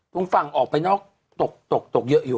ตรงฝั่งออกไปนอกตกตกเยอะอยู่